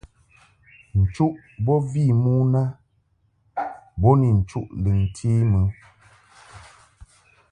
Nchuʼ bo vi mon a bo ni nchuʼ lɨŋti mɨ.